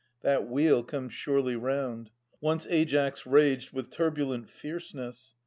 That wheel comes surely round. Once Aias raged With turbulent fierceness.